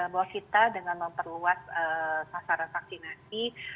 bahwa kita dengan memperluas sasaran vaksinasi